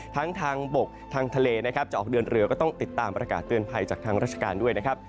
ทั้งทางบกทางทะเลนะครับจะออกเดินเรือก็ต้องติดตามประกาศเตือนภัยจากทางราชการด้วยนะครับ